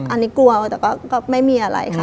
อันนี้กลัวแต่ก็ไม่มีอะไรค่ะ